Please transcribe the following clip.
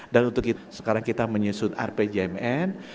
dan untuk sekarang kita menyusun rpjmn